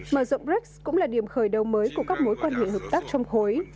mở rộng brics cũng là điểm khởi đầu mới của các mối quan hệ hợp tác trong khối